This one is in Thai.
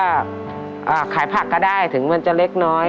ก็ขายผักก็ได้ถึงมันจะเล็กน้อย